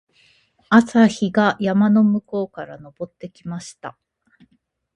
朝日が山の向こうから昇ってきました。